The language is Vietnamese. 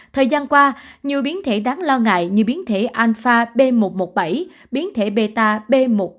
thời gian qua nhiều biến thể đáng lo ngại như biến thể alpha b một một bảy biến thể beta b một ba một năm